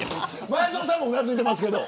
前園さんもうなずいていますけど。